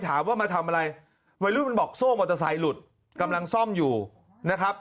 ถามว่ามาทำอะไรวัยรุ่นมันบอกโซ่มอเตอร์ไซค์หลุดกำลังซ่อมอยู่นะครับ